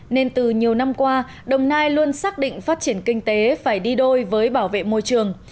nên từ nhiều năm qua đồng nai luôn xác định phát triển kinh tế phải đi đôi với bảo vệ môi trường